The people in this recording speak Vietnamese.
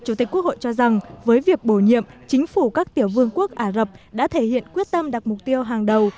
chủ tịch quốc hội cho rằng với việc bổ nhiệm chính phủ các tiểu vương quốc ả rập đã thể hiện quyết tâm đặt mục tiêu hàng đầu